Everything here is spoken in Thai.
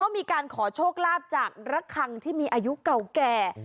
มีการขอโชคลาภจากระคังที่มีอายุเก่าแก่